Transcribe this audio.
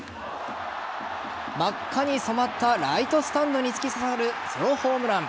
真っ赤に染まったライトスタンドに突き刺さるソロホームラン。